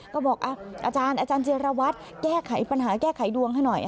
ก็บอกอาจารย์เจรวรรษแก้ไขปัญหาแก้ไขดวงให้หน่อย